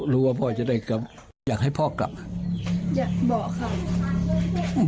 รู้ว่าพ่อจะได้กลับอยากให้พ่อกลับอยากบอกค่ะ